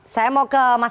saya mau ke mas adi